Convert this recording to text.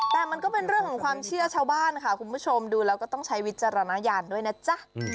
แต่มันก็เป็นเรื่องของความเชื่อชาวบ้านค่ะคุณผู้ชมดูแล้วก็ต้องใช้วิจารณญาณด้วยนะจ๊ะ